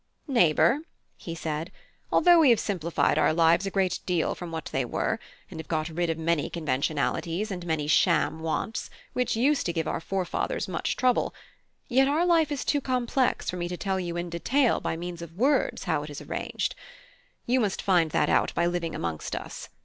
"Neighbour," he said, "although we have simplified our lives a great deal from what they were, and have got rid of many conventionalities and many sham wants, which used to give our forefathers much trouble, yet our life is too complex for me to tell you in detail by means of words how it is arranged; you must find that out by living amongst us.